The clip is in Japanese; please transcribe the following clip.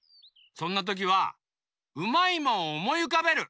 そんなときはうまいもんをおもいうかべる。